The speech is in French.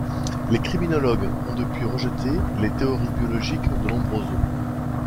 Les criminologues ont depuis rejeté les théories biologiques de Lombroso.